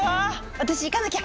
私行かなきゃ！